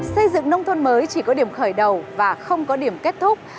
xây dựng nông thôn mới chỉ có điểm khởi đầu và không có điểm kết thúc